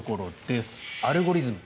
アルゴリズム